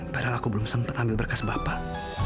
padahal aku belum sempat ambil berkas bapak